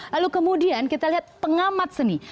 lalu kemudian kita lihat pengamat seni